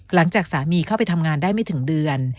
หลังจากสามีเข้าไปทำงานได้ไม่ถึงเดือน